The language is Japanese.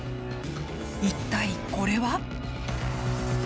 一体これは？